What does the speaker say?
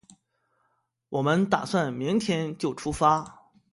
我们打算明天就出发